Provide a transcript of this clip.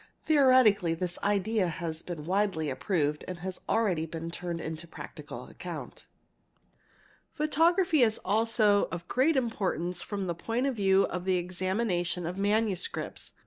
Theo retically this idea has been widely approved and has already been turned to practical account®®, Photography is also of great importance from the point of view of a the examination of manuscripts®®.